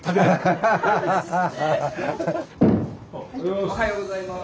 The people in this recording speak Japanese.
おはようございます。